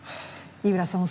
井浦さん